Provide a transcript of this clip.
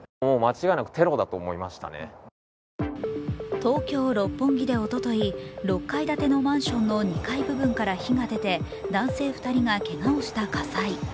東京・六本木でおととい、６階建てのマンションの２階部分から火が出て男性２人がけがをした火災。